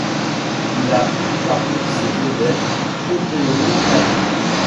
Il a eu parmi ses élèves Pompeo Calvi.